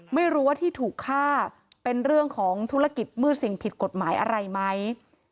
ไม่รู้ว่าที่ถูกฆ่าเป็นเรื่องของธุรกิจมืดสิ่งผิดกฎหมายอะไรไหม